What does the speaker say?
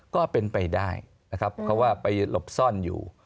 ก็เป็นไปได้นะครับเพราะว่าไปหลบซ่อนอยู่